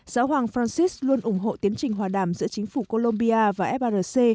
giáo hoàng francis luôn ủng hộ tiến trình hòa đàm giữa chính phủ colombia và frc